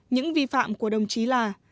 những vi phạm của đồng chí là